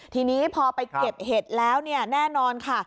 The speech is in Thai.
ทีนี้พอไปเก็บเห็ดแล้วเนี่ยแน่นอนค่ะ